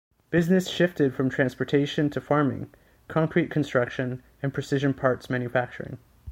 Business shifted from transportation to farming, concrete construction and precision parts manufacturing.